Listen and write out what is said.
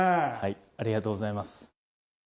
ありがとうございます。